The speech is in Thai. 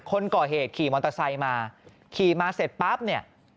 คนก่อเหตุขี่มอเตอร์ไซค์มาขี่มาเสร็จปั๊บเนี่ย